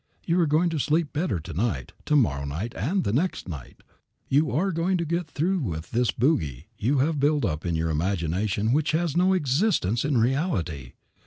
You are going to sleep better to night, to morrow night, and the next night. You are going to get through with this bogie you have built up in your imagination which has no existence in reality.